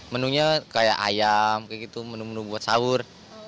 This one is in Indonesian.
menunya kayak ayam kayak gitu menu menu buat sahur